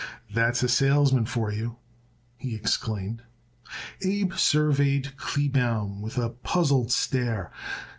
"That's a salesman for you," he exclaimed. Abe surveyed Kleebaum with a puzzled stare.